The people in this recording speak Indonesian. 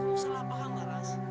kamu salah paham laras